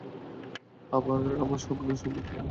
আমার স্বপ্নের সমাপ্তি এখানেই।